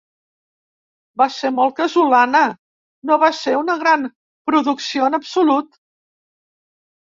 Va ser molt casolana; no va ser una gran producció en absolut.